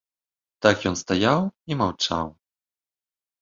Так ён стаяў і маўчаў.